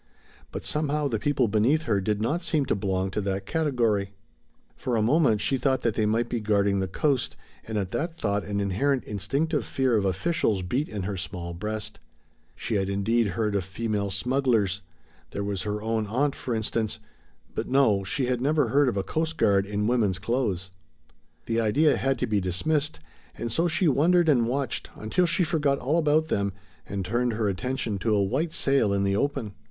But somehow the people beneath her did not seem to belong to that category. For a moment she thought that they might be guarding the coast, and at that thought an inherent instinctive fear of officials beat in her small breast. She had indeed heard of female smugglers; there was her own aunt, for instance; but no, she had never heard of a coast guard in woman's clothes. That idea had to be dismissed, and so she wondered and watched until she forgot all about them, and turned her attention to a white sail in the open.